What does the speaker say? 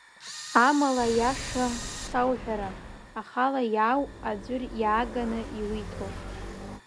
Амала, аиаша шсоуҳәара, ахала иаау, аӡәыр иааганы иуиҭоу?